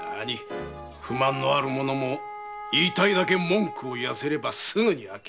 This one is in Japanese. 不満のある者も言いたいだけ文句を言わせればすぐに飽きる。